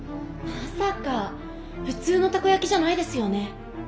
まさか普通のたこやきじゃないですよね？